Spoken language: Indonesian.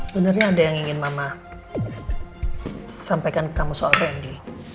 sebenarnya ada yang ingin mama sampaikan ke kamu soal tni